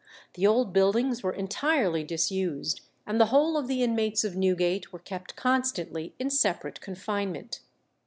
The old buildings were entirely disused, and the whole of the inmates of Newgate were kept constantly in separate confinement.